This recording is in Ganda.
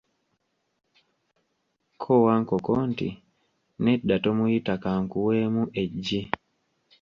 Kko Wankoko nti, "nedda tomuyita kankuweemu eggi."